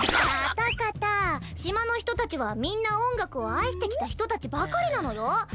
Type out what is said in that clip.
カタカタ島の人たちはみんな音楽を愛してきた人たちばかりなのよ？